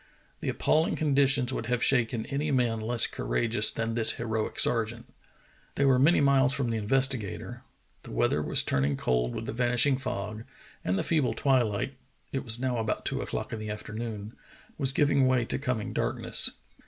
The appalHng conditions would have shaken any man less courageous than this heroic sergeant. The}^ were many miles from the Investigator, the weather was turn ing cold with the vanishing fog, and the feeble twilight — it was now about two o'clock in the afternoon — was giving way to coming darkness.